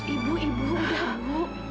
ibu ibu udah ibu